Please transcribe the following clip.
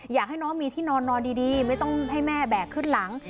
อยากให้น้องมีที่นอนนอนดีไม่ต้องให้แม่แบกขึ้นหลัง